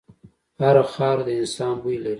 هره خاوره د انسان بوی لري.